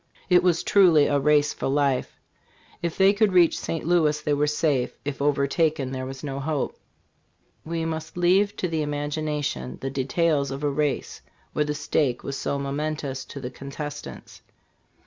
It was truly a race for life. If they could reach St. Louis, they were safe; if overtaken, there was no hope. We must leave to the imagination the details of a race where the stake was so momentous to the contestants.